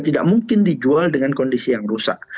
tidak mungkin dijual dengan kondisi yang rusak